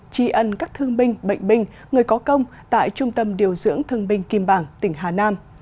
tri ân các thương binh bệnh binh người có công tại trung tâm điều dưỡng thương binh kim bảng tỉnh hà nam